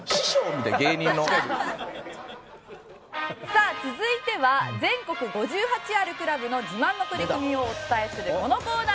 さあ続いては全国５８あるクラブの自慢の取り組みをお伝えするこのコーナーです。